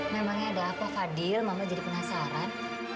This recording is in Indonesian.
memangnya ada apa fadil mama jadi penasaran